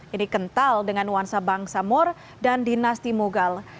ini kental dengan nuansa bangsa mor dan dinasti mugal